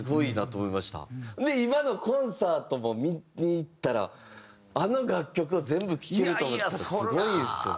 で今のコンサートも見に行ったらあの楽曲が全部聴けると思ったらすごいですよね。